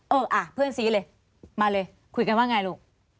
เอออ่ะเพื่อนซีเลยมาเลยคุยกันว่าไงลูก